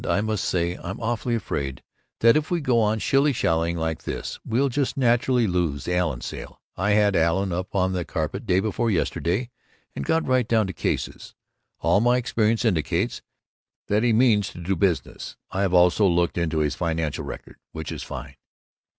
I must say I'm awfully afraid that if we go on shilly shallying like this we'll just naturally lose the Allen sale. I had Allen up on the carpet day before yesterday, and got right down to cases. All my experience indicates that he means to do business. I have also looked into his financial record, which is fine.